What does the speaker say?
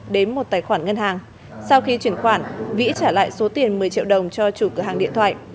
đến một tài khoản ngân hàng sau khi chuyển khoản vĩ trả lại số tiền một mươi triệu đồng cho chủ cửa hàng điện thoại